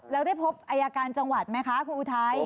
แล้วได้พบอายการจังหวัดไหมคะคุณอุทัย